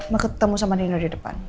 mau ketemu sama nino di depan